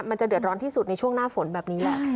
มันจะเดือดร้อนที่สุดในช่วงหน้าฝนแบบนี้แหละ